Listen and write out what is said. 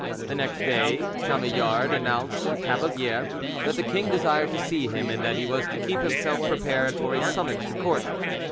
The next day Chamillard announced to Cavalier that the king desired to see him, and that he was to keep himself prepared for a summons to court.